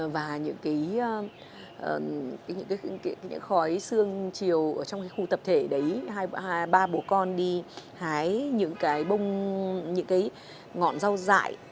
và những khói sương chiều ở trong cái khu tập thể đấy ba bố con đi hái những cái bông những cái ngọn rau dại